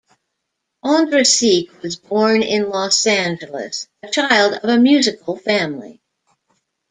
Ondrasik was born in Los Angeles, a child of a musical family.